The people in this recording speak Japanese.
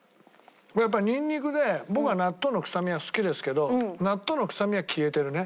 やっぱニンニクで僕は納豆の臭みは好きですけど納豆の臭みは消えてるね。